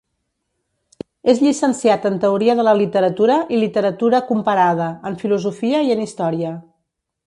És llicenciat en Teoria de la Literatura i Literatura Comparada, en Filosofia i en Història.